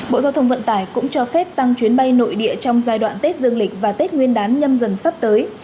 bộ giao thông vận tải cũng cho phép tăng chuyến bay nội địa trong giai đoạn tết dương lịch và tết nguyên đán nhâm dần sắp tới